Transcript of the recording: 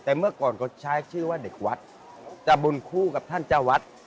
แต่เมื่อก่อนเขาใช้ชื่อว่าเด็กวัดจะบุญคู่กับท่านเจ้าวัด